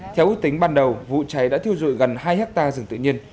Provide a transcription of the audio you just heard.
theo ước tính ban đầu vụ cháy đã thiêu dụi gần hai hectare rừng tự nhiên